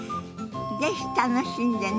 是非楽しんでね。